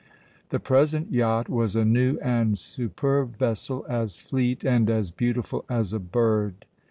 The present yacht was a new and superb vessel, as fleet and as beautiful as a bird.